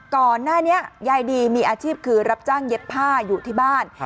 ก่อนหน้านี้ยายดีมีอาชีพคือรับจ้างเย็บผ้าอยู่ที่บ้าน